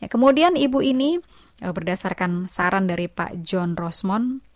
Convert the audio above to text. kemudian ibu ini berdasarkan saran dari pak john rosmond